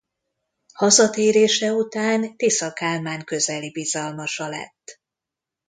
Hazatérése után Tisza Kálmán közeli bizalmasa lett.